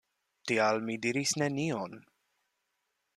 Tial mi diris nenion.